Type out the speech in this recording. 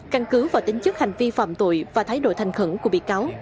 căn cứ vào tính chức hành vi phạm tội và thái độ thành khẩn của bị cáo